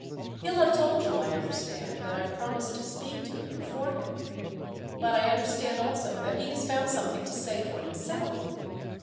"He'll have told you, I understand, that I've promised to speak to you for him. But I understand also that he has found something to say for himself."